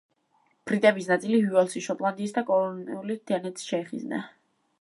ბრიტების ნაწილი უელსის, შოტლანდიისა და კორნუოლის მთიანეთს შეეხიზნა.